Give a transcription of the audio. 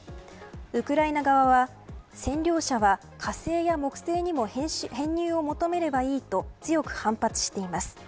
ウクライナ側は占領者は火星や木星にも編入を求めればいいと強く反発しています。